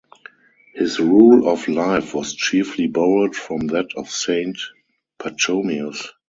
His Rule of Life was chiefly borrowed from that of Saint Pachomius.